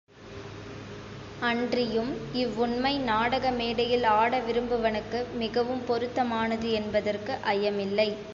அன்றியும் இவ்வுண்மை நாடக மேடையில் ஆட விரும்புபவனுக்கு மிகவும் பொருத்தமானது என்பதற்கு ஐயமில்லை.